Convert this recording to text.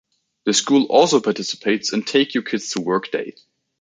The school also participates in "Take Your Kids to Work" day.